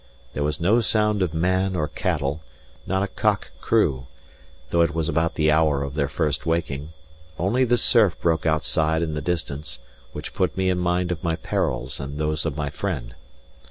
There was no sound of man or cattle; not a cock crew, though it was about the hour of their first waking; only the surf broke outside in the distance, which put me in mind of my perils and those of my friend.